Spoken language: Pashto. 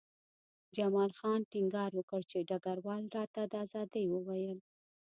جمال خان ټینګار وکړ چې ډګروال راته د ازادۍ وویل